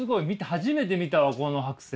初めて見たわこの剥製。